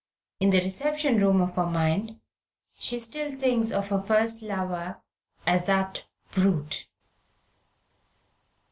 In the reception room of her mind she still thinks of her first lover as "That Brute!"